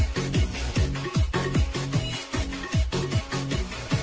โปรดติดตามตอนต่อไป